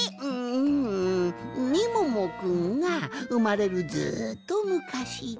んみももくんがうまれるずっとむかしじゃ。